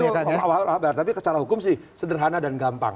itu awal awal tapi secara hukum sih sederhana dan gampang